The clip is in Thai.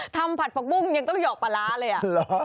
ทำผัดปลาปุ้งยังต้องหยอกปลาร้าเลย